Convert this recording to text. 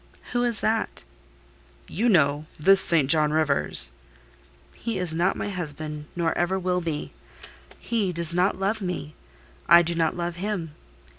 "Who is that?" "You know—this St. John Rivers." "He is not my husband, nor ever will be. He does not love me: I do not love him.